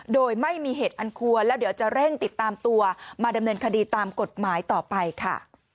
โดยไม่มีเหตุอันควรแล้วเดี๋ยวจะเร่งติดตามตัวมาดำเนินคดีตามกฎหมายต่อไปค่ะ